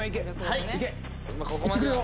ここまでは。